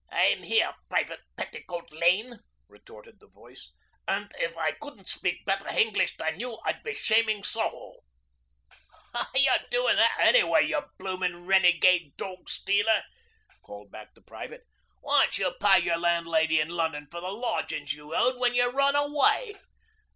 'I'm here, Private Petticoat Lane,' retorted the voice, 'and if I couldn't speak better English than you I'd be shaming Soho.' 'You're doing that anyway, you bloomin' renegade dog stealer,' called back the private. 'Wy didn't you pay your landlady in Lunnon for the lodgin's you owed when you run away?'